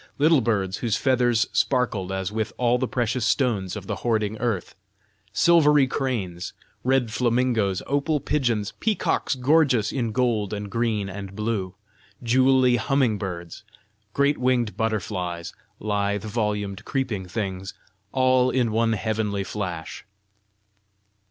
little birds whose feathers sparkled as with all the precious stones of the hoarding earth! silvery cranes; red flamingoes; opal pigeons; peacocks gorgeous in gold and green and blue; jewelly humming birds! great winged butterflies; lithe volumed creeping things all in one heavenly flash!